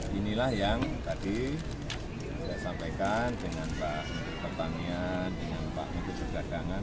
inilah yang tadi saya sampaikan dengan pak menteri pertanian dengan pak menteri perdagangan